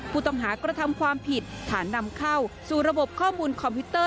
ผู้ต้องหากระทำความผิดฐานนำเข้าสู่ระบบข้อมูลคอมพิวเตอร์